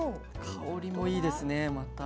香りもいいですねまた。